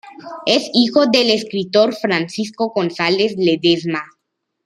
Es hijo del escritor Francisco González Ledesma.